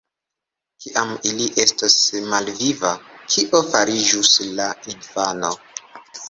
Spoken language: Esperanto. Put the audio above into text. Kiam ili estos malvivaj, kio fariĝus la infano?